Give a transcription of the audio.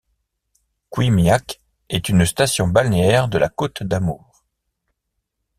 Quimiac est une station balnéaire de la Côte d'Amour.